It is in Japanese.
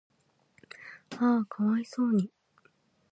嗚呼可哀想に